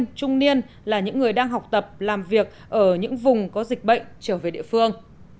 các trường hợp mắc suyết trung niên là những người đang học tập làm việc ở những vùng có dịch bệnh trở về địa phương